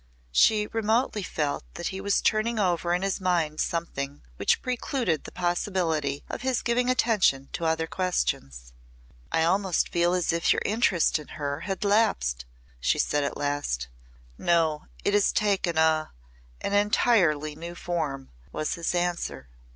She remotely felt that he was turning over in his mind something which precluded the possibility of his giving attention to other questions. "I almost feel as if your interest in her had lapsed," she said at last. "No. It has taken a an entirely new form," was his answer.